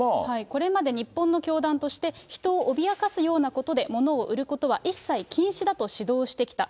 これまで日本の教団として人を脅かすようなことでものを売ることは一切禁止だと指導してきた。